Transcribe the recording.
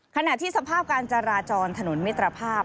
ขณะที่สภาพการจราจรถนนมิตรภาพ